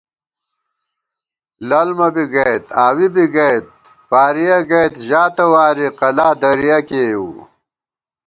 للمہ بی گئیت آوِی بی گَئیت، فارِیَہ گئیت ژا تواری قلا درِیَہ کېؤ